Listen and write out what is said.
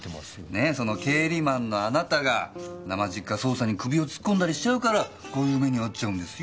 ねえその経理マンのあなたがなまじっか捜査に首を突っ込んだりしちゃうからこういう目にあっちゃうんですよ。